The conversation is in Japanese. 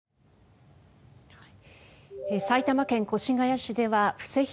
埼玉県越谷市では布施宏